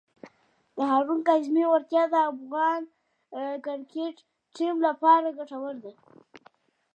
د هارون کاظمي وړتیا د افغان کرکټ ټیم لپاره ګټوره ده.